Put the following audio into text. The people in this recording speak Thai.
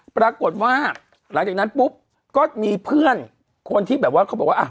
ปรากฏว่าหลังจากนั้นปุ๊บก็มีเพื่อนคนที่แบบว่าเขาบอกว่าอ่ะ